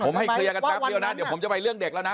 ผมให้เคลียร์กันแป๊บเดียวนะเดี๋ยวผมจะไปเรื่องเด็กแล้วนะ